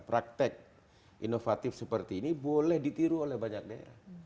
praktek inovatif seperti ini boleh ditiru oleh banyak daerah